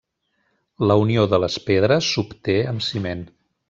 La unió de les pedres s'obté amb ciment.